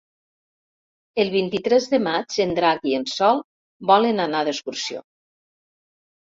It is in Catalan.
El vint-i-tres de maig en Drac i en Sol volen anar d'excursió.